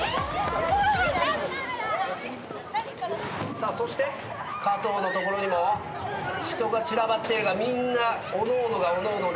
さあそして加藤の所にも人が散らばっているがみんなおのおのがおのおので。